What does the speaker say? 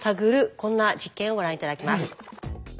こんな実験をご覧頂きます。